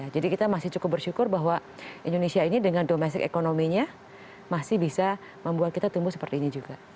jadi kita masih cukup bersyukur bahwa indonesia ini dengan domestic economy nya masih bisa membuat kita tumbuh seperti ini juga